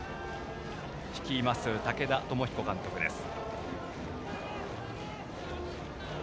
率います武田朝彦監督です。